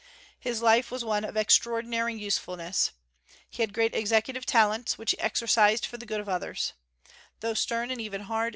His life was one of extraordinary usefulness. He had great executive talents, which he exercised for the good of others.